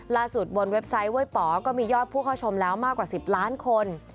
บนเว็บไซต์เว้ยป๋อก็มียอดผู้เข้าชมแล้วมากกว่า๑๐ล้านคน